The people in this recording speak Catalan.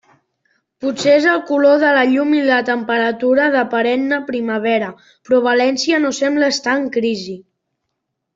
Potser és el color de la llum i la temperatura de perenne primavera, però València no sembla estar en crisi.